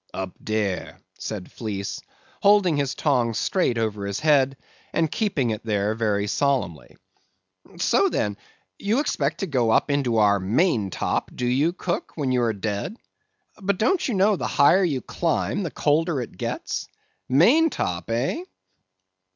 "Up dere," said Fleece, holding his tongs straight over his head, and keeping it there very solemnly. "So, then, you expect to go up into our main top, do you, cook, when you are dead? But don't you know the higher you climb, the colder it gets? Main top, eh?"